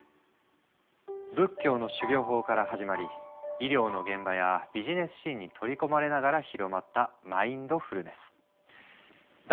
仏教の修行法から始まり医療の現場やビジネスシーンに取り込まれながら広まったマインドフルネス。